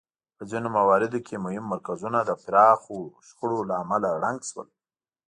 په ځینو مواردو کې مهم مرکزونه د پراخو شخړو له امله ړنګ شول